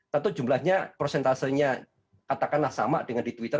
tentu jumlahnya prosentasenya katakanlah sama dengan di twitter